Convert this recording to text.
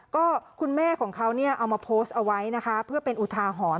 ก็คุณแม่ของเขาเนี่ยเอามาโพสต์เอาไว้นะคะเพื่อเป็นอุทาหรณ์